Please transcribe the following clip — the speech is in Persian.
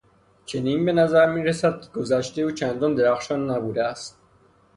چنین به نظر میرسد که گذشتهی او چندان درخشان نبوده است.